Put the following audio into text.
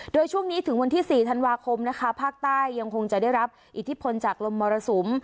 โดยช่วงนี้ถึงวันที่๔ธันวาคมนะคะภาคใต้ยังคงจะได้รับอิทธิพลจากลมมรสุม